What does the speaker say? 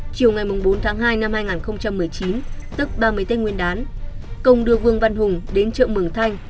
chiều ngày bốn tháng hai năm hai nghìn một mươi chín tức ba mươi tết nguyên đán công đưa vương văn hùng đến chợ mường thanh